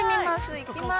行きます。